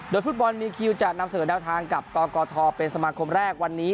โดยฟุตบอลมีคิลจากนำเสิร์ฐแนวทางกับต่อกอทอเป็นสมาคมแรกวันนี้